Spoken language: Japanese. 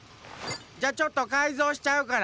じゃちょっとかいぞうしちゃうから！